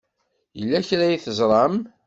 Yella kra ay teẓram.